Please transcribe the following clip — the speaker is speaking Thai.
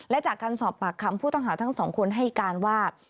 และจากการสอบปากคำผู้ต้องหาทั้งสองคนให้การว่า